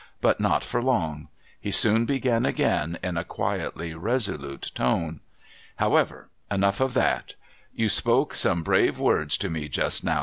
liut not for long ; he soon began again, in a quietly resolute tone. 'However ! Enough of that ! You spoke some brave words to me just now.